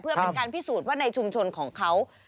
เพื่อเป็นการพิสูจน์ว่าในชุมชนของเขา